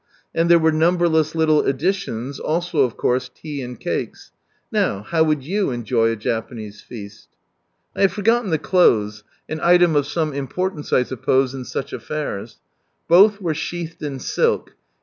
And there were numberless little additions, also of course tea and cakes, Now, how would you enjoy a Japanese Feast ? I have forgotten the clothes, an item of some importance, I suppose, in sucb <i affairs. Both were sheathed in silk.